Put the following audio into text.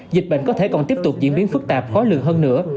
dịch bệnh có thể còn tiếp tục diễn biến phức tạp khó lường hơn nữa